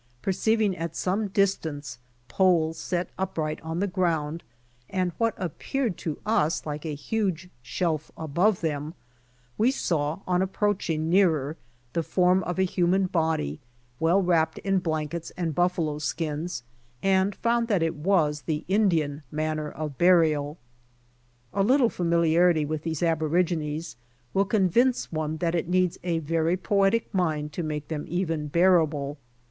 Perceiving at some distance poles set upright on the ground and what appeared to us like a huge shelf above them, we saw on approaching nearer the form of a hum&n body well wrapped in blankets and buffalo skins, and found that it was the Indian manner of burial. A little familiai'ity with these aborigines will convince one that it needs a very poetic mind to make them even bearable.